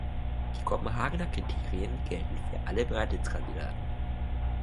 Die Kopenhagener Kriterien gelten für alle Beitrittskandidaten.